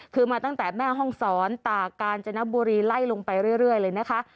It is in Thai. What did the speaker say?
คือมาตั้งแต่แม่ห้องศรตากาญจนบุรีไล่ลงไปเรื่อยเลยนะคะ